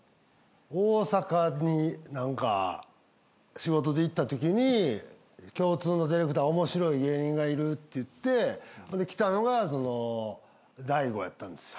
大阪に何か仕事で行ったときに共通のディレクター面白い芸人がいるって言ってほんで来たのが大悟やったんですよ。